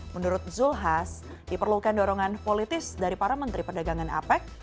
menurut zulkifli hasan diperlukan dorongan politis dari para menteri perdagangan apec